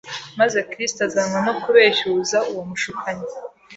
maze Kristo azanwa no kubeshyuza uwo mushukanyi.